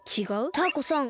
タアコさん